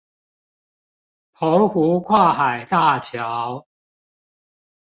澎湖跨海大橋